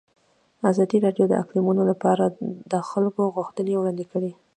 ازادي راډیو د اقلیتونه لپاره د خلکو غوښتنې وړاندې کړي.